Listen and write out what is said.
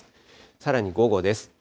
さらに午後です。